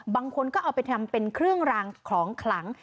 บางคนก็เอาไปทำเป็นเครื่องรางของขลัง